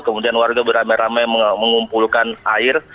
kemudian warga beramai ramai mengumpulkan air